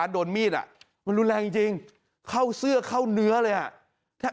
โดนมีดอ่ะมันรุนแรงจริงเข้าเสื้อเข้าเนื้อเลยอ่ะ